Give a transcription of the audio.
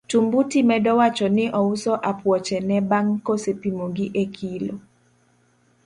Tumbuti medo wacho ni ouso apuoche ne bang' kosepimo gi e kilo.